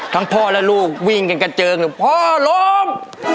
ทั้งพ่อและลูกวิ่งกันกระเจิงพ่อโรบ